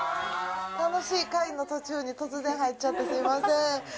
楽しい会の途中に突然入っちゃってすみません。